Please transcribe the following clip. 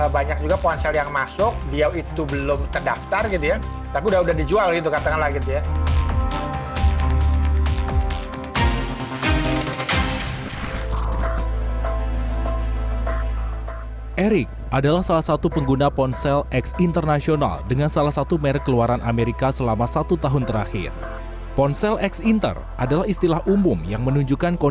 banyak juga ponsel yang masuk dia itu belum kedaftar gitu ya tapi udah dijual gitu katanya lah gitu ya